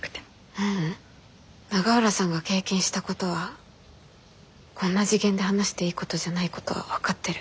ううん永浦さんが経験したことはこんな次元で話していいことじゃないことは分かってる。